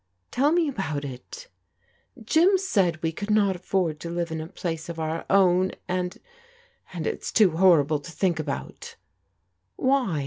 "" TeU me about it" Jim said we could not afford to live in a place of oar own, and — and it's too horrible to think about" "Why?